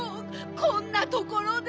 こんなところで。